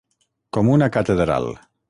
Com una catedral.